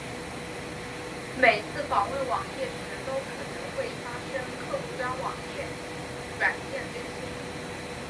每次访问网页时都可能会发生客户端网页软件更新。